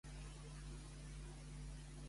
Quina relació hi ha entre Carmena i Podem?